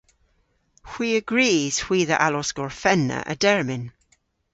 Hwi a grys hwi dhe allos gorfenna a-dermyn.